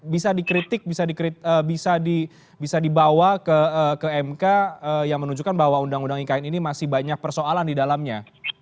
bisa dikritik bisa dibawa ke mk yang menunjukkan bahwa undang undang ikn ini masih banyak persoalan di dalamnya